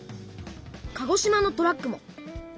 鹿児島のトラックも。